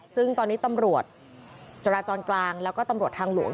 ซึ่งตอนนี้ตำรวจจราจรกลางแล้วก็ตำรวจทางหลวง